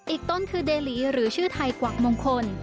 อีกต้นคือเดลีหรือชื่อไทยกวักมงคล